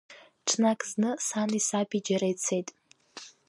Ҽнак зны сани саби џьара ицеит.